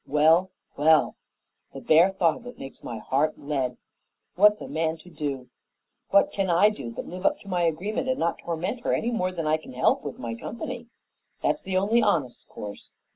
Well, well, the bare thought of it makes my heart lead. What's a man to do? What can I do but live up to my agreement and not torment her any more than I can help with my company? That's the only honest course.